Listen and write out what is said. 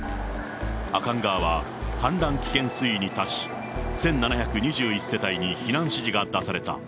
阿寒川は氾濫危険水位に達し、１７２１世帯に避難指示が出された。